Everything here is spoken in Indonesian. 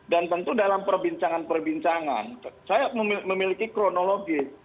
dan tentu dalam perbincangan perbincangan saya memiliki kronologi